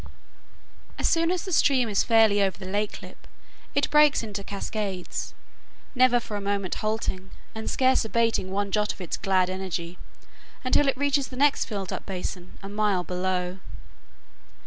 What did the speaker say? As soon as the stream is fairly over the lake lip it breaks into cascades, never for a moment halting, and scarce abating one jot of its glad energy, until it reaches the next filled up basin, a mile below.